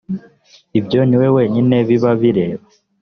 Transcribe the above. ibyo ni we wenyine biba bireba